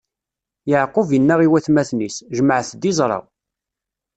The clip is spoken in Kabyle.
Yeɛqub inna i watmaten-is: Jemɛet-d iẓra.